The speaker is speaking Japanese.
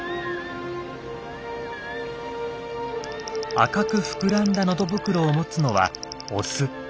赤く膨らんだ喉袋を持つのはオス。